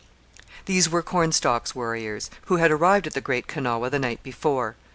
These were Cornstalk's warriors, who had arrived at the Great Kanawha the night before.